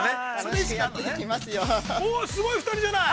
◆すごい２人じゃない。